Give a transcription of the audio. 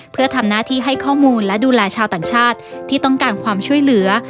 เพื่อทำหน้าที่ให้ข้อมูลและดูแลชาวต่างชาติที่ต้องการความช่วยเหลือ